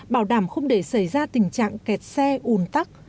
bảo đảm không để xảy ra tình trạng kẹt xe ùn tắc